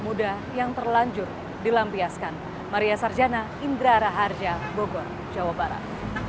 muda yang terlanjur dilampiaskan maria sarjana indra raharja bogor jawa barat